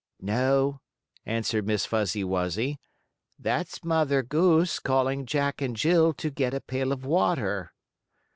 "No," answered Miss Fuzzy Wuzzy. "That's Mother Goose calling Jack and Jill to get a pail of water."